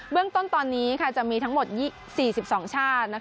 เรื่องต้นตอนนี้จะมีทั้งหมด๔๒ชาติ